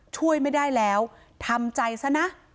ช่วยไม่ได้แล้วทำใจซะนะ